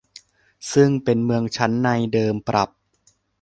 ซึ่งเป็นเมืองชั้นในเดิมปรับ